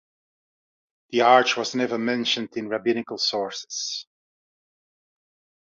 The arch was never mentioned in rabbinical sources.